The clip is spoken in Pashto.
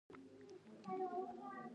په ډېرې مينې مې نوشیجان کړل.